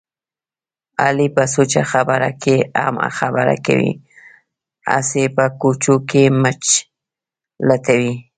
علي په سوچه خبره کې هم خبره کوي. هسې په کوچو کې مچ لټوي.